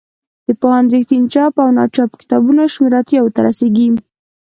د پوهاند رښتین چاپ او ناچاپ کتابونو شمېر اتیاوو ته رسیږي.